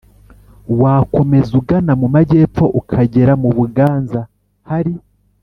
wakomeza ugana mu majyepfo ukagera mu buganza hari